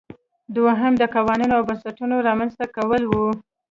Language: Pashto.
دویم د قوانینو او بنسټونو رامنځته کول وو.